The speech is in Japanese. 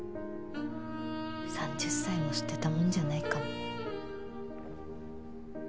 ３０歳も捨てたもんじゃないかも